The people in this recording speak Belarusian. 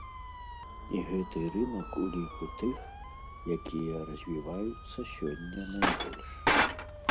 І гэты рынак у ліку тых, якія развіваюцца сёння найбольш.